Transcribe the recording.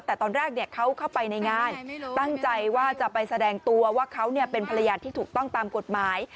แต่ตอนแรกเขาเข้าไปในงานตั้งใจว่าจะไปแสดงตัวว่าเขาเป็นภรรยาที่ถูกต้องตามกฎหมาย